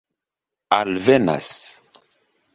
alvenas